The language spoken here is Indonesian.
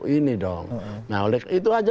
ini dong nah oleh itu aja